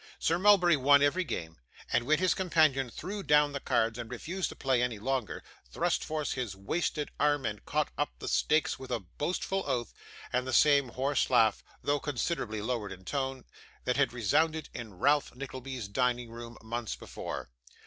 Sir Mulberry won every game; and when his companion threw down the cards, and refused to play any longer, thrust forth his wasted arm and caught up the stakes with a boastful oath, and the same hoarse laugh, though considerably lowered in tone, that had resounded in Ralph Nickleby's dining room, months before.